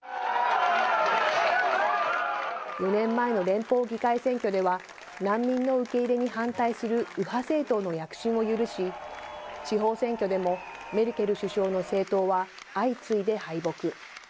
４年前の連邦議会選挙では、難民の受け入れに反対する右派政党の躍進を許し、地方選挙でもメルケル首相の政党は、相次いで敗北。